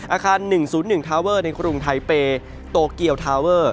อาคาร๑๐๑ทาเวอร์ในกรุงไทเปย์โตเกียวทาเวอร์